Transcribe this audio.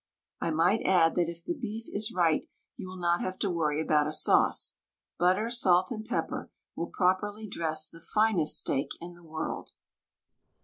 I might add that if the beef is right you will not have to worry about a sauce. Butter, salt, and pepper will properly dress the finest steak in the world.